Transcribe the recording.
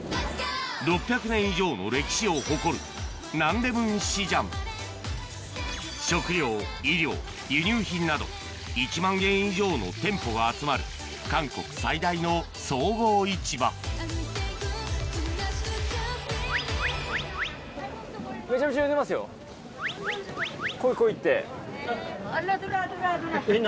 ６００年以上の歴史を誇る食料衣料輸入品など１万軒以上の店舗が集まる韓国最大の総合市場「来い来い」って。